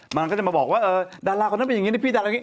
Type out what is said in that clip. นางก็จะมาบอกว่าดาราคนนั้นเป็นอย่างนี้พี่ดารานี้